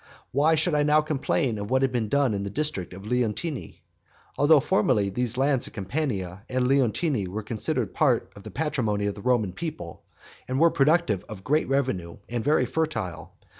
Why should I now complain of what has been done in the district of Leontini? Although formerly these lands of Campania and Leontini were considered part of the patrimony of the Roman people, and were productive of great revenue, and very fertile.